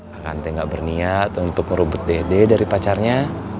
akanteng gak berniat untuk merubut dede dari pacarnya